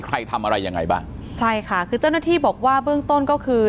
ใครทำอะไรยังไงบ้างใช่ค่ะคือเจ้าหน้าที่บอกว่าเบื้องต้นก็คือ